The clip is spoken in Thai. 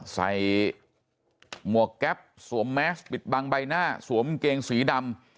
ใส่หมวกแก๊ปสวมแมสปิดบังใบหน้าสวมกางเกงสีดำ